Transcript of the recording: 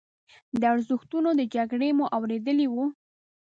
د ارزښتونو د جګړې مو اورېدلي وو.